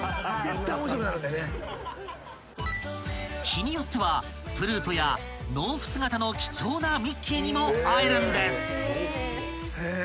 ［日によってはプルートや農夫姿の貴重なミッキーにも会えるんです］